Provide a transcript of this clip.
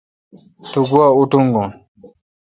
تو گوا اتونگون۔